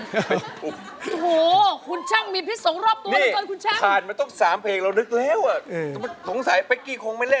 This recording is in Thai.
โถคุณช่างมีพลิกสองรอบตัวลงกายคุณช่าง